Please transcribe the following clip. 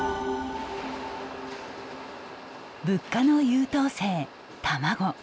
物価の優等生卵。